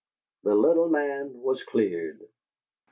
The little man was cleared.